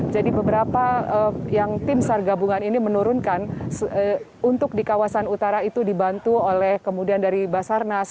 jadi beberapa yang tim sargabungan ini menurunkan untuk di kawasan utara itu dibantu oleh kemudian dari basarnas